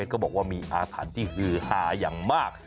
ก็บอกว่ามีอาถรรพ์ที่ฮือฮาอย่างมาก